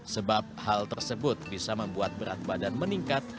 sebab hal tersebut bisa membuat berat badan meningkat